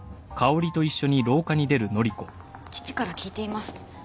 父から聞いています。